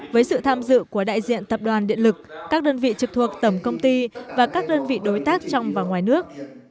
với sự tham dự của đại diện tập đoàn điện lực các đơn vị trực thuộc tổng công ty và các đơn vị đối tác trong và ngoài nước